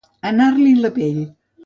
Anar-l'hi la pell.